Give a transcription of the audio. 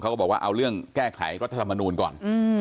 ก็บอกว่าเอาเรื่องแก้ไขรัฐธรรมนูลก่อน